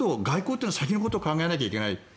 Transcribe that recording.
外交というのは先のことを考えないといけない。